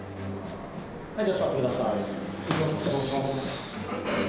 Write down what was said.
はい、じゃあ、座ってくださ失礼します。